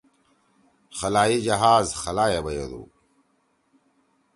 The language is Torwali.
خلائی جہاز خلا ئے بیَدُو۔